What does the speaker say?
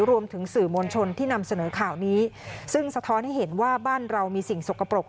รวมถึงสื่อมวลชนที่นำเสนอข่าวนี้ซึ่งสะท้อนให้เห็นว่าบ้านเรามีสิ่งสกปรก